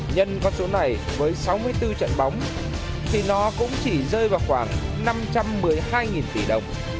nhân con số này với sáu mươi bốn trận bóng thì nó cũng chỉ rơi vào khoảng năm trăm một mươi hai tỷ đồng